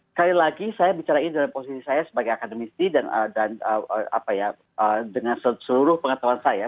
sekali lagi saya bicara ini dalam posisi saya sebagai akademisi dan dengan seluruh pengetahuan saya